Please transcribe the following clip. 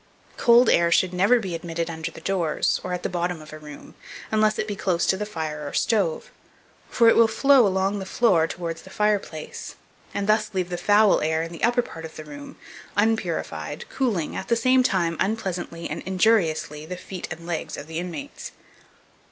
Cold air should never be admitted under the doors, or at the bottom of a room, unless it be close to the fire or stove; for it will flow along the floor towards the fireplace, and thus leave the foul air in the upper part of the room, unpurified, cooling, at the same time, unpleasantly and injuriously, the feet and legs of the inmates.